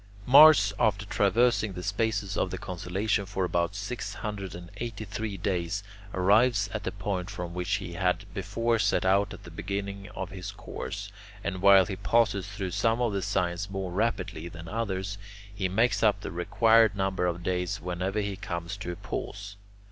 Mars, after traversing the spaces of the constellations for about six hundred and eighty three days, arrives at the point from which he had before set out at the beginning of his course, and while he passes through some of the signs more rapidly than others, he makes up the required number of days whenever he comes to a pause.